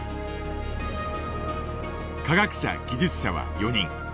科学者技術者は４人。